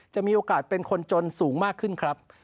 จะมีโอกาสเป็นคนจนสูงมากขึ้นครับ